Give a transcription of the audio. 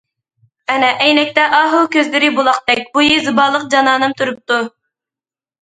ئەنە، ئەينەكتە ئاھۇ كۆزلىرى بۇلاقتەك، بويى زىبالىق جانانىم تۇرۇپتۇ.